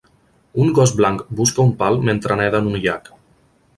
Un gos blanc busca un pal mentre neda en un llac